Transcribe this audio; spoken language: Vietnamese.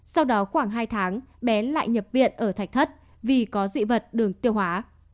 sau đó khoảng hai tháng bé lại nhập viện ở thạch thất vì có dị vật đường tiêu hóa